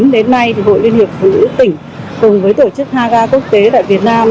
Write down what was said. đến nay thì hội liên hiệp của nữ tỉnh cùng với tổ chức haga quốc tế tại việt nam